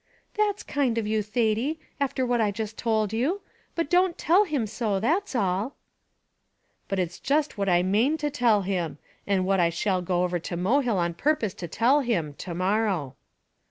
"That's kind of you, Thady, after what I just told you; but don't tell him so, that's all." "But it's just what I mane to tell him, and what I shall go over to Mohill on purpose to tell him, to morrow."